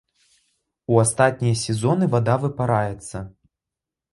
У астатнія сезоны вада выпараецца.